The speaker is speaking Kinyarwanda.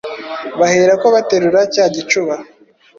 baherako baterura cya gicuba,